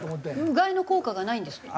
うがいの効果がないんですって。